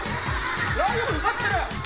ライオンになってる。